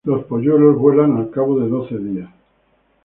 Los polluelos vuelan al cabo de doce días.